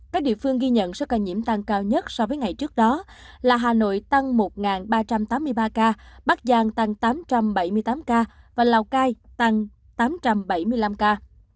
các địa phương ghi nhận số ca nhiễm tăng cao nhất so với ngày trước đó là hà nội tăng một ba trăm tám mươi ba ca bắc giang tăng tám trăm bảy mươi tám ca và lào cai tăng tám trăm bảy mươi năm ca